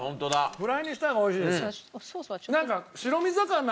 フライにした方が美味しいです。